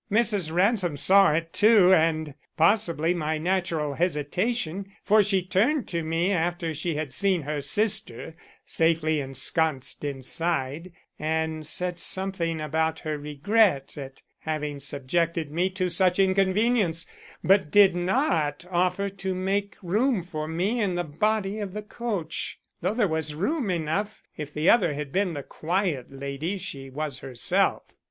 Mrs. Ransom saw it too and possibly my natural hesitation, for she turned to me after she had seen her sister safely ensconced inside, and said something about her regret at having subjected me to such inconvenience, but did not offer to make room for me in the body of the coach, though there was room enough if the other had been the quiet lady she was herself.